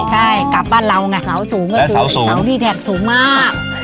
ใช่กลับบ้านเราก็สาวสูงสาวดีแท็กสูงมาก